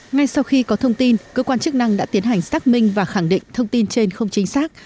ngay sau khi có thông tin cơ quan chức năng đã tiến hành xác minh và khẳng định thông tin trên không chính xác